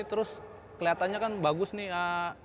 terus kelihatannya kan bagus nih